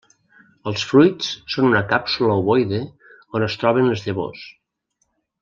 Els fruits són una càpsula ovoide on es troben les llavors.